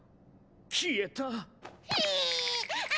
消えた。